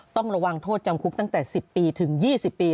ต้องระวังโทษจำคุกตั้งแต่๑๐ปีถึง๒๐ปี